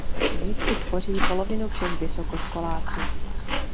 Dívky tvoří polovinu všech vysokoškoláků.